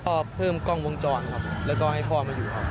ก็เพิ่มกล้องวงจรครับแล้วก็ให้พ่อมาอยู่ครับ